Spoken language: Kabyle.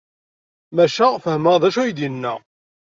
Maca fehmeɣ d acu ay d-yenna.